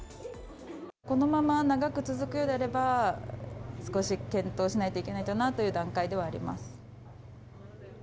このまま長く続くようであれば、少し検討しないといけないかなという段階ではあります。